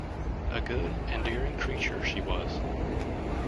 A good endearing creature she was.